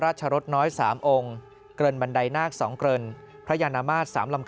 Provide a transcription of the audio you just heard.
ราชรสน้อยสามองค์เกินบันไดนาคศส่องเกินพระยานามาส๓ลำคา